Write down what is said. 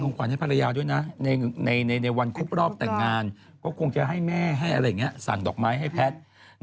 ในวันคุกรอบแต่งงานก็คงจะให้แม่สั่งดอกไม้ให้แพทย์